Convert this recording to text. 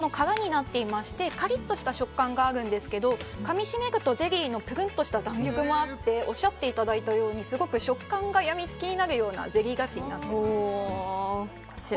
外側が砂糖で周りがお砂糖の殻になっていましてカリッとした食感があるんですけどかみしめるとゼリーのプルンとした感じもあっておっしゃっていただいたようにすごく食感が病み付きになるようなゼリー菓子になっています。